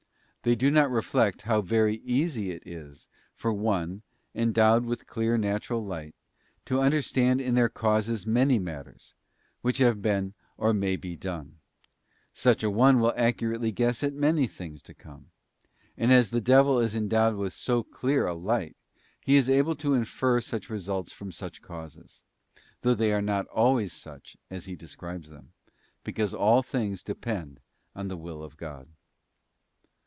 They do not reflect how very easy it is for one, endowed with clear natural light, to understand in their causes many matters, which have been or may be done. Such an one will accurately guess at many things to come. And as the devil is endowed with so clear a light, he is able to infer such results from such causes; though they are not always such as he describes them, because all things depend on the will of God.